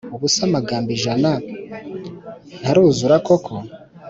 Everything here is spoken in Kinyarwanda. Ubuse amagambo ijana ntaruzura koko